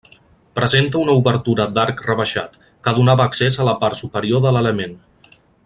Presenta una obertura d'arc rebaixat, que donava accés a la part superior de l'element.